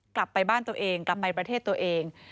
กลับไปบ้านตัวเองกลับไปประเทศตัวเอง